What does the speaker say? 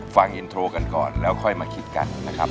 ฟังอินโทรกันก่อนแล้วค่อยมาคิดกันนะครับ